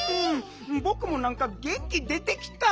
ぼくもなんかげんき出てきた！